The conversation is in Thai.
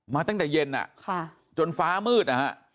มาตั้งแต่เย็นอ่ะจนฟ้ามืดอ่ะฮะ